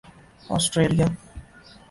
Australia